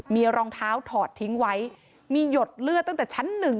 มีรองเท้าถอดทิ้งไว้มีหยดเลือดตั้งแต่ชั้นหนึ่ง